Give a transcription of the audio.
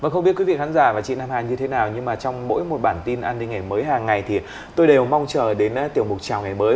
không biết quý vị khán giả và chị nam hà như thế nào nhưng mà trong mỗi một bản tin an ninh ngày mới hàng ngày thì tôi đều mong chờ đến tiểu mục chào ngày mới